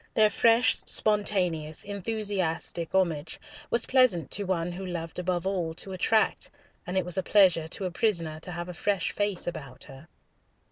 Their fresh, spontaneous, enthusiastic homage was pleasant to one who loved above all to attract, and it was a pleasure to a prisoner to have a fresh face about her.